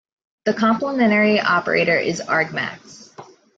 The complementary operator is argmax.